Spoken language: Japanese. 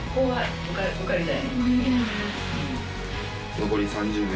はい。